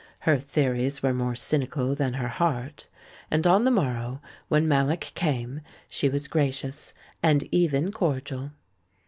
Her theories were more cynical than her heart. And on the morrow, when ISIallock came, she was gracious, and even cordial.